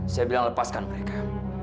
saya bilang lepaskan mereka